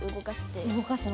動かすの？